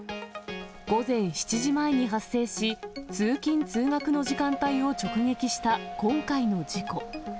午前７時前に発生し、通勤・通学の時間帯を直撃した今回の事故。